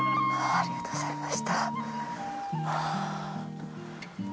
ありがとうございます。